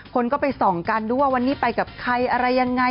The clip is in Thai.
คนก็ไปส่องกันด้วยว่าวันนี้ไปกับใครอะไรยังไง